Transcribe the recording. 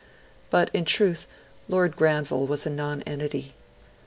But in truth Lord Granville was a nonentity.